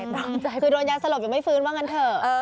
ดังใจคือโดนยาสลบยังไม่ฟื้นว่างั้นเถอะ